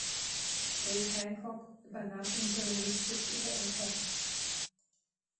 Dave Hancock übernahm interimistisch ihre Ämter.